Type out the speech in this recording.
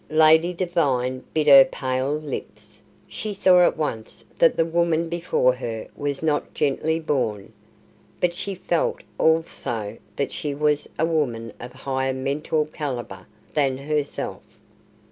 Lady Devine bit her pale lips. She saw at once that the woman before her was not gently born, but she felt also that she was a woman of higher mental calibre than herself.